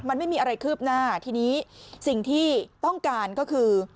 มันไม่มีอะไรคืบหน้าทีนี้สิ่งที่ต้องการก็คือ